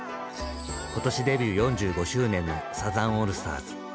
今年デビュー４５周年のサザンオールスターズ。